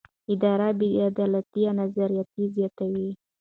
اداري بې عدالتي نارضایتي زیاتوي